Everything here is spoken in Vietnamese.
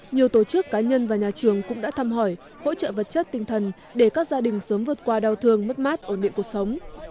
nhiều tổ chức cá nhân và nhà trường cũng đã thăm hỏi hỗ trợ vật chất tinh thần để các gia đình sớm vượt qua đau thương mất mát ổn định cuộc sống